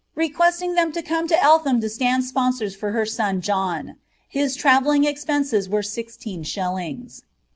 requesting ihoai 10 U> Eltham to stand sponsors for her eon John j his travelling c] were sixteen shillings.